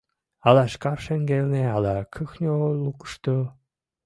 Ала шкаф шеҥгелне, ала кухньо лукышто.